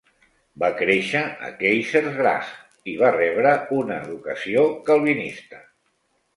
Va créixer a Keizersgracht i va rebre una educació calvinista.